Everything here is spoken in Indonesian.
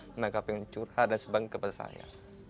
mereka pengen curhat dan sebangga kepada saya